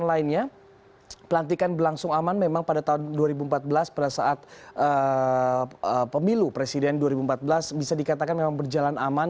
dan lainnya pelantikan berlangsung aman memang pada tahun dua ribu empat belas pada saat pemilu presiden dua ribu empat belas bisa dikatakan memang berjalan aman